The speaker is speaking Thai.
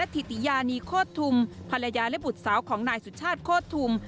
ถิติยานีโคตรทุมภรรยาและบุตรสาวของนายสุชาติโคตรทุม